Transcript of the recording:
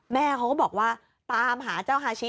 แม่เขาก็บอกว่าตามหาเจ้าฮาชิ